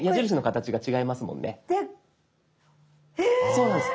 そうなんです。